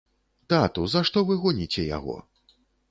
Тату, за што вы гоніце яго?